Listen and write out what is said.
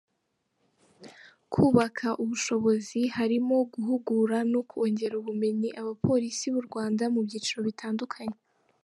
Kubaka ubushobozi harimo guhugura no kongerera ubumenyi abapolisi b’u Rwanda mu byiciro bitandukanye.